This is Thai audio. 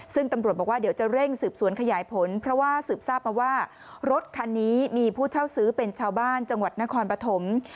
ซึ่งตำรวจบอกว่าเดี๋ยวจะเร่งสืบสวนขยายผลเพราะว่าสืบทราบมาว่ารถคันนี้มีผู้เช่าซื้อเป็นชาวบ้านจังหวัดนครปฐม